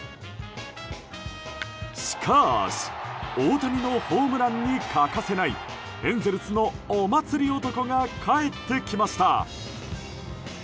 しかし大谷のホームランに欠かせないエンゼルスのお祭り男が帰ってきました。